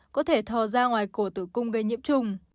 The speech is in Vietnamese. có thể thò ra ngoài cổ tử cung gây nhiễm trùng